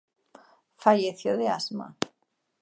Falleció de asma.